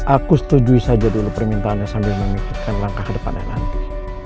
aku setuju saja dulu permintaannya sambil memikirkan langkah ke depannya nanti